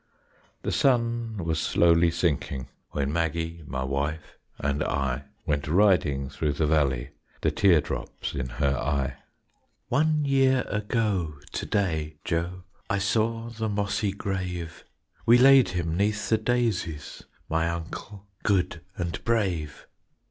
The sun was slowly sinking, When Maggie, my wife, and I Went riding through the valley, The tear drops in her eye. "One year ago to day, Joe, I saw the mossy grave; We laid him neath the daisies, My Uncle, good and brave."